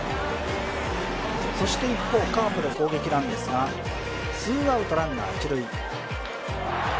そして一方、カープの攻撃なんですが、ツーアウトランナー一塁。